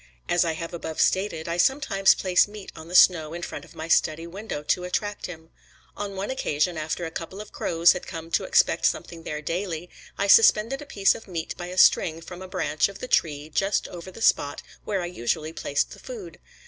As I have above stated, I sometimes place meat on the snow in front of my study window to attract him. On one occasion, after a couple of crows had come to expect something there daily, I suspended a piece of meat by a string from a branch of the tree just over the spot where I usually placed the food.